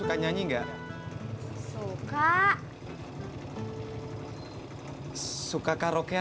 kau ngajak saya yakin américa